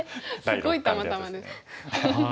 すごいたまたまです。